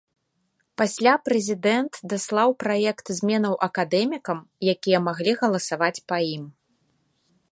Пасля прэзідэнт даслаў праект зменаў акадэмікам, якія маглі галасаваць па ім.